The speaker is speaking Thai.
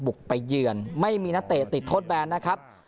บุกไปเยือนไม่มีณเตตติดโทษแบรนด์นะครับ